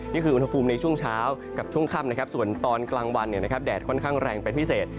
นี่คืออุณหภูมิในช่วงเช้ากับช่วงค่ำส่วนตอนกลางวันแดดค่อนข้างแรงเป็นพิเศษ